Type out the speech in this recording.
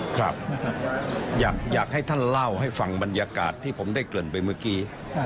ครับอยากให้ท่านเล่าให้ฟังบรรยากาศที่ผมได้เกริ่นไปเมื่อกี้